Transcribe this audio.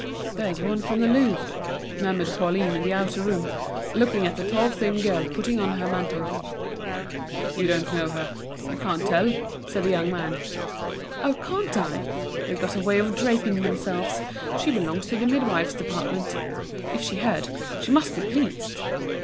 "There's one from the Louvre," murmured Pauline in the outer room, looking at a tall thin girl putting on her mantle. "You don't know her. You can't tell," said the young man. "Oh, can't I? They've got a way of draping themselves. She belongs to the midwife's department! If she heard, she must be pleased."